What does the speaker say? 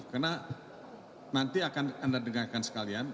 karena nanti akan anda dengarkan sekalian